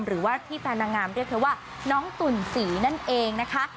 หรือว่าที่แฟนนางงามเรียกเธอว่าน้องตุ่นศรีนั่นเองนะคะ